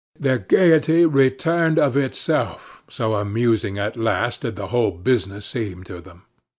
Their gaiety returned of itself, so amusing at last did the whole business seem to them.